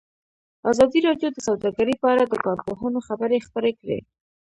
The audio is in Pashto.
ازادي راډیو د سوداګري په اړه د کارپوهانو خبرې خپرې کړي.